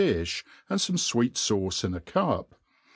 diih, and fome fweet fauce in a cup.